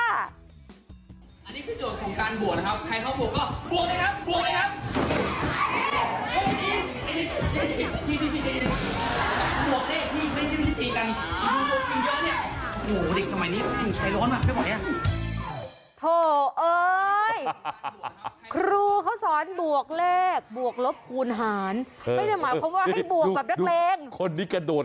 อันนี้คือโจทย์ของการบวกนะครับ